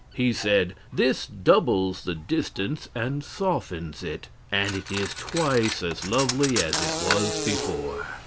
He said, "This doubles the distance and softens it, and it is twice as lovely as it was before."